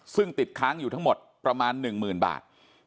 ซึ่งติดค้างอยู่ทั้งหมดประมาณ๑๐๐๐บาท